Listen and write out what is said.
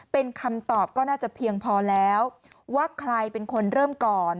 เป็นคำตอบก็น่าจะเพียงพอแล้วว่าใครเป็นคนเริ่มก่อน